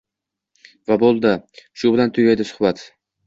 Va buldi shu bilan tugaydi suxbat